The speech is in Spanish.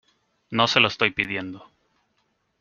no se lo estoy pidiendo